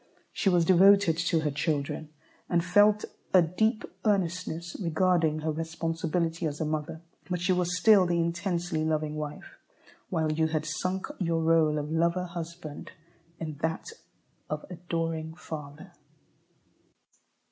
She was devoted to her children, and felt a deep earnestness regarding her responsibility as a mother. But she was still the intensely loving wife, while you had sunk your rôle of lover husband in that of adoring father.